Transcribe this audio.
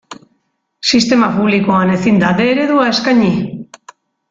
Sistema publikoan ezin da D eredua eskaini.